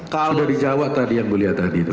sudah dijawab tadi yang kulihat tadi itu